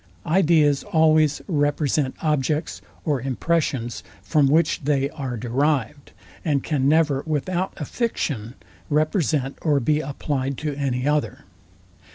Ideas always represent the Objects or impressions, from which they are derived, and can never without a fiction represent or be applied to any other.